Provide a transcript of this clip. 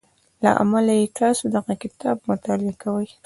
له امله یې تاسې دغه کتاب مطالعه کوئ